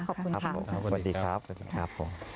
ขอบคุณครับสวัสดีครับ